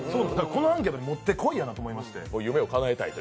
このアンケートにもってこいやなと思いまして。